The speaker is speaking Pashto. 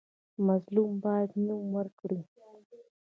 مظلوم باید نوم ورکړي.